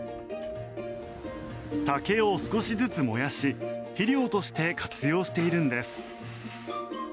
竹を少しずつ燃やし肥料として活用しているんです。